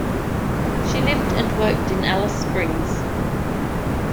She lived and worked in Alice Springs.